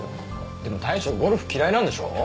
でも大将ゴルフ嫌いなんでしょ？